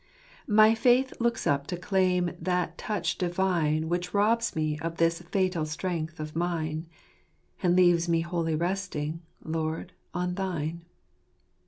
24.) " My faith looks up to claim that touch divine Winch robs me of this fatal strength of mine, And leaves me wholly resting, Lord, on thine.